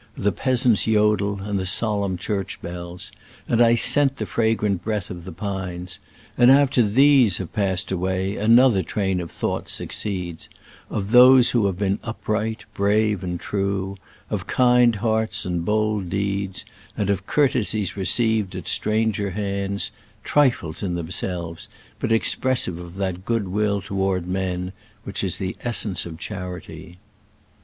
the peasant's jodel and the solemn church bells; and I scent the fragrant breath of the pines: and after these have passed away another train of thoughts succeeds — of those who have been upright, brave and true ; of kind hearts and bold deeds; and of cour tesies received at stranger hands, trifles in themselves, but expressive of that good will toward men which is the es sence of charity.